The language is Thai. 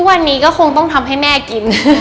วันนี้ก็คงต้องทำให้แม่กิน